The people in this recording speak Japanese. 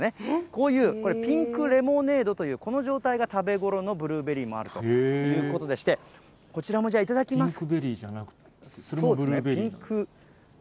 こういうピンクレモネードというこの状態が食べごろのブルーベリーもあるということでして、こちらもじゃあ頂きます。